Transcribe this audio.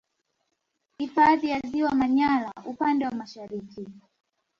Hifadhi ya ziwa Manyara upande wa Mashariki